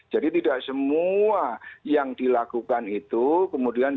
jadi tidak semua yang dilakukan itu kemudian